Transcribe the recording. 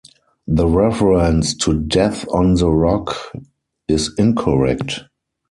The reference to Death On The Rock is incorrect.